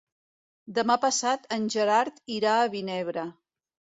Demà passat en Gerard irà a Vinebre.